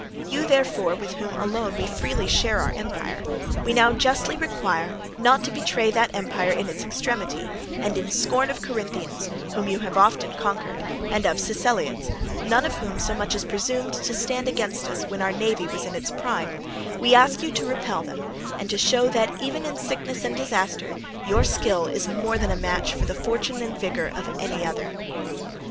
You, therefore, with whom alone we freely share our empire, we now justly require not to betray that empire in its extremity, and in scorn of Corinthians, whom you have often conquered, and of Siceliots, none of whom so much as presumed to stand against us when our navy was in its prime, we ask you to repel them, and to show that even in sickness and disaster your skill is more than a match for the fortune and vigour of any other.